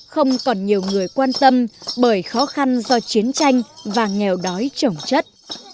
không còn nhiều người quan tâm bởi khó khăn do chiến tranh và nghèo đói trồng chất